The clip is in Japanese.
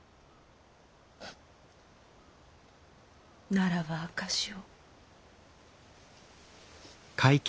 ならば証しを。